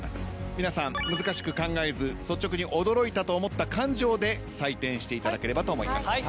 皆さん難しく考えず率直に驚いたと思った感情で採点していただければと思います。